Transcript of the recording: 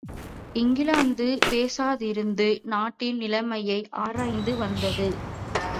இங்கிலாந்து பேசாதிருந்து நாட்டின் நிலைமையை ஆராய்ந்து வந்தது.